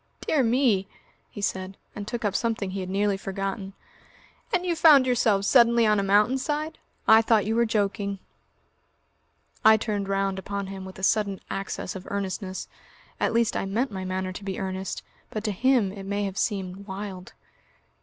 "Dear me!" he said, and took up something he had nearly forgotten. "And you found yourselves suddenly on a mountain side? ... I thought you were joking." I turned round upon him with a sudden access of earnestness. At least I meant my manner to be earnest, but to him it may have seemed wild.